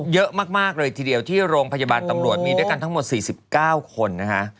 เยอะมากเลยทีเดียวที่โรงพยาบาลตำรวจมีด้วยกันทั้งหมด๔๙คนนะคะ